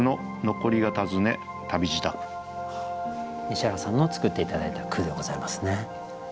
西原さんの作って頂いた句でございますね。